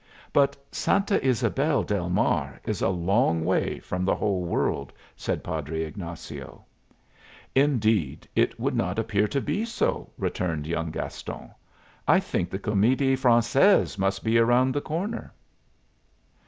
"But Santa Ysabel del Mar is a long way from the whole world," said Padre Ignazio. "Indeed it would not appear to be so," returned young Gaston. "I think the Comedie Francaise must be round the corner."